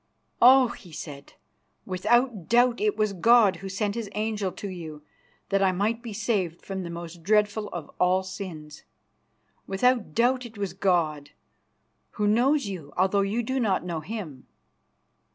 "Oh!" he said, "without doubt it was God who sent His angel to you that I might be saved from the most dreadful of all sins. Without doubt it was God, Who knows you, although you do not know Him."